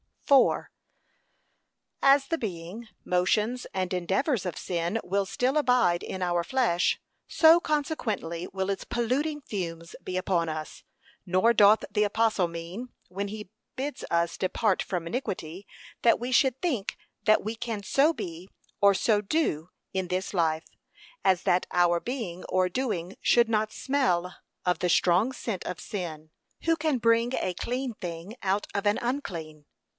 4. As the being, motions, and endeavours of sin will still abide in our flesh, so consequently will its polluting fumes be upon us; nor doth the apostle mean, when he bids us depart from iniquity, that we should think that we can so be, or so do, in this life, as that our being or doing should not smell of the strong scent of sin. 'Who can bring a clean thing out of an unclean?